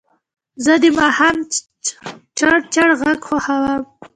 زه د ماښام چړچړ غږ خوښوم.